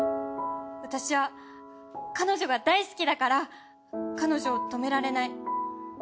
私は彼女が大好きだから彼女を止められない。